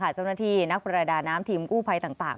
เจ้าหน้าที่นักประดาน้ำทีมกู้ภัยต่าง